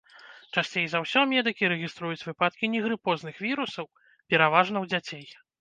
Часцей за ўсё медыкі рэгіструюць выпадкі негрыпозных вірусаў, пераважна ў дзяцей.